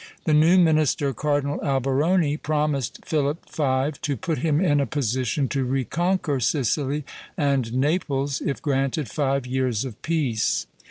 The new minister, Cardinal Alberoni, promised Philip V. to put him in a position to reconquer Sicily and Naples, if granted five years of peace.